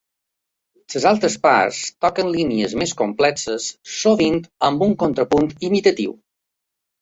Les altres parts toquen línies més complexes, sovint en un contrapunt imitatiu.